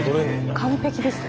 完璧ですね。